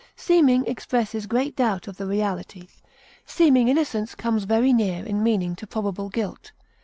Seeming expresses great doubt of the reality; seeming innocence comes very near in meaning to probable guilt.